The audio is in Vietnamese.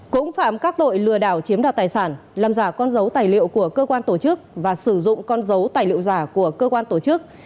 cũng phạm các tội lừa đảo chiếm đoạt tài sản làm giả con dấu tài liệu của cơ quan tổ chức và sử dụng con dấu tài liệu giả của cơ quan tổ chức